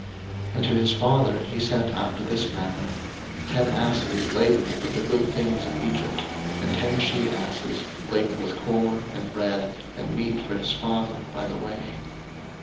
01:045:023 And to his father he sent after this manner; ten asses laden with the good things of Egypt, and ten she asses laden with corn and bread and meat for his father by the way.